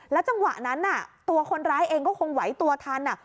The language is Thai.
จังหวะนั้นตัวคนร้ายเองก็คงไหวตัวทัน